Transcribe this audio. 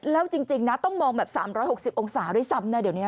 แล้วจริงนะต้องมองแบบ๓๖๐องศาด้วยซ้ำนะเดี๋ยวนี้